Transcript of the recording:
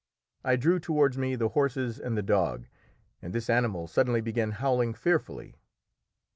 I drew towards me the horses and the dog, and this animal suddenly began howling fearfully.